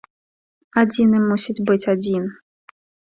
Адзіны мусіць быць адзін.